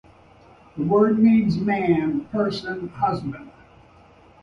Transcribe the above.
The word means "man", "person", "husband".